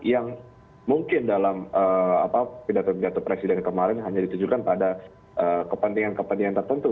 yang mungkin dalam pidato pidato presiden kemarin hanya ditujukan pada kepentingan kepentingan tertentu